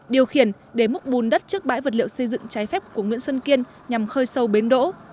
điều khiển để múc bùn đất trước bãi vật liệu xây dựng trái phép của nguyễn xuân kiên nhằm khơi sâu bến đỗ